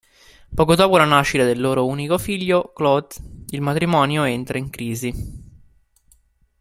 Poco dopo la nascita del loro unico figlio, Claude, il matrimonio entra in crisi.